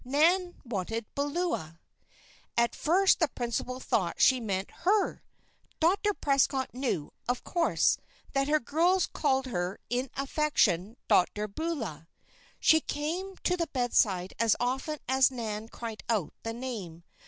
Nan wanted Beulah! At first the principal thought she meant her. Dr. Prescott knew, of course, that her girls called her in affection "Dr. Beulah." She came to the bedside as often as Nan cried out the name.